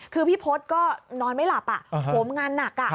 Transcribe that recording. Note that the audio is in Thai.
คือพี่พศก็นอนไม่หลับโหมงานหนัก